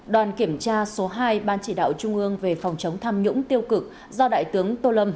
đoàn kiểm tra số hai ban chỉ đạo trung ương về phòng chống tham nhũng tiêu cực do đại tướng tô lâm